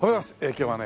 今日はね